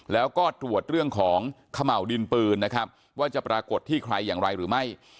แล้วก็ตรวจเรื่องของเขม่าวดินปืนนะครับว่าจะปรากฏที่ใครอย่างไรหรือไม่